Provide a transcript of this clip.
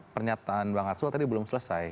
pernyataan bang arsul tadi belum selesai